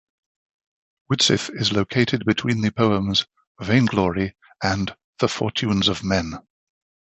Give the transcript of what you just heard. Widsith is located between the poems "Vainglory" and "The Fortunes of Men".